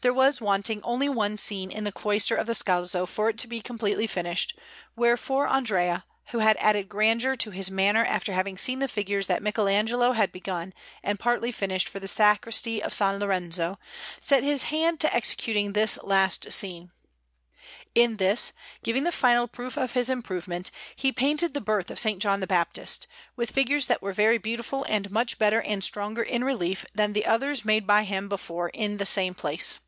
There was wanting only one scene in the cloister of the Scalzo for it to be completely finished; wherefore Andrea, who had added grandeur to his manner after having seen the figures that Michelagnolo had begun and partly finished for the Sacristy of S. Lorenzo, set his hand to executing this last scene. In this, giving the final proof of his improvement, he painted the Birth of S. John the Baptist, with figures that were very beautiful and much better and stronger in relief than the others made by him before in the same place.